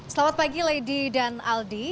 selamat pagi lady dan aldi